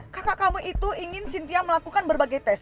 kakak kamu itu ingin cynthia melakukan berbagai tes